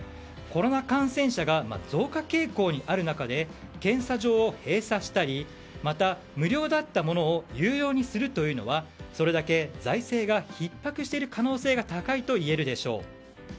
コロナ感染者が増加傾向にある中で検査場を閉鎖したりまた、無料だったものを有料にするというのはそれだけ財政がひっ迫している可能性が高いといえるでしょう。